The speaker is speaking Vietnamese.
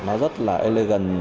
nó rất là elegant